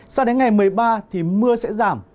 sao đến ngày một mươi ba thì mưa sẽ giảm